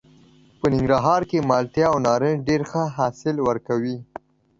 په ننګرهار کې مالټې او نارنج ډېر ښه حاصل ورکوي.